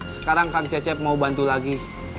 sekarang kang cecep mau bantu lagi